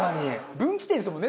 分岐点ですもんね